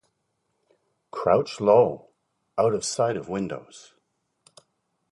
Crouch low, out of sight of windows.